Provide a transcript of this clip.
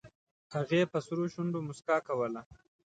هغې په سرو شونډو موسکا کوله